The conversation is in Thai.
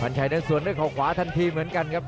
ชัยเดินสวนด้วยเขาขวาทันทีเหมือนกันครับ